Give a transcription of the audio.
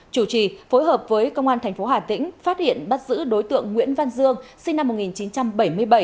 chủ trì phối hợp với công an tp hà tĩnh phát hiện bắt giữ đối tượng nguyễn văn dương sinh năm một nghìn chín trăm bảy mươi bảy